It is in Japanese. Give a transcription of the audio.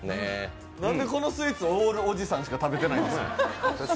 なんでこのスイーツオールおじさんしか食べてないんですか。